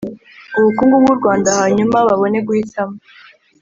ubukungu bw'u rwanda hanyuma babone guhitamo